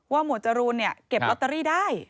ว่าหมวดจรูลเนี่ยเก็บลอตเตอรี่ได้